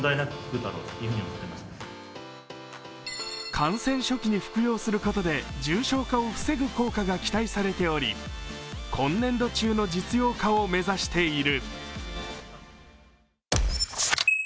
感染初期に服用することで重症化を防ぐ効果が期待されており今年度中の実用化を目指している。